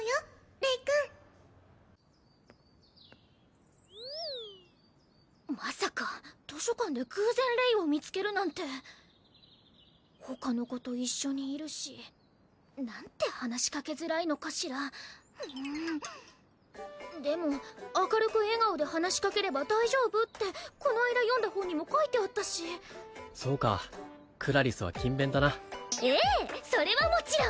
レイ君まさか図書館で偶然レイを見つけるなんて他の子と一緒にいるし何て話しかけづらいのかしらでも明るく笑顔で話しかければ大丈夫ってこの間読んだ本にも書いてあったしそうかクラリスは勤勉だなええそれはもちろん！